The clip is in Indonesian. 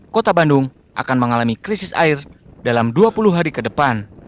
kota bandung akan mengalami krisis air dalam dua puluh hari ke depan